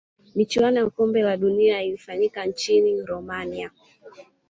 michuano ya kombe la dunia ya ilifanyika nchini romania